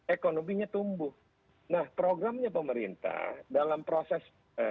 ekonominya tumbuh nah programnya pemerintah dalam proses